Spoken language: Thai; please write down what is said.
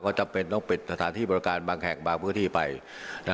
ก็จำเป็นต้องปิดสถานที่บริการบางแห่งบางพื้นที่ไปนะ